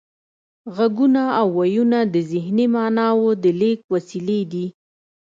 غږونه او وییونه د ذهني معناوو د لیږد وسیلې دي